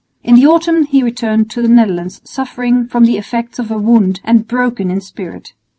In the autumn he returned to the Netherlands suffering from the effects of a wound and broken in spirit.